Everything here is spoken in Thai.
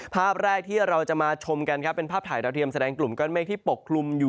ภาพแรกที่เราจะมาชมกันครับเป็นภาพถ่ายดาวเทียมแสดงกลุ่มก้อนเมฆที่ปกคลุมอยู่